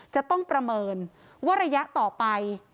จะต้องประเมินว่าระยะต่อไป